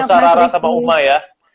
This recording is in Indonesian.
salam buat nusa rara sama uma ya